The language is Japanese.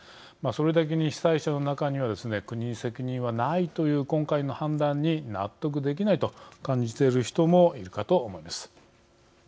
それだけに被災者の中には国に責任はないという今回の判断に納得できないと感じている人もいるかと思います。